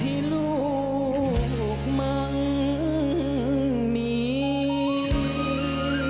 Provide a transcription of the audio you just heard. ให้ลูกมั้งมี